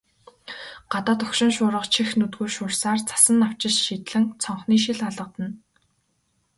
Гадаа догшин шуурга чих нүдгүй шуурсаар, цасан навчис шидлэн цонхны шил алгадна.